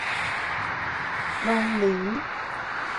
狼人